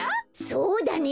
そうだね！